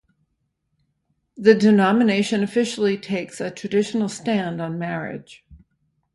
The denomination officially takes a traditional stand on marriage.